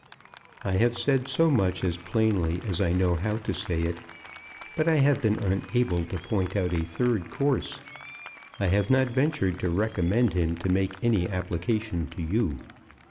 I have said so much as plainly as I know how to say it; but I have been unable to point out a third course. I have not ventured to recommend him to make any application to you.